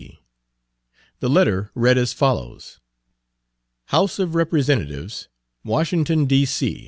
C." The letter read as follows: HOUSE OF REPRESENTATIVES WASHINGTON, D. C.